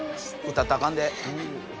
歌ったらあかんで！